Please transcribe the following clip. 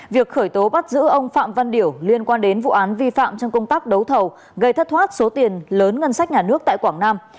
việc khởi tố bắt giữ ông phạm văn điểu liên quan đến vụ án vi phạm trong công tác đấu thầu gây thất thoát số tiền lớn ngân sách nhà nước tại quảng nam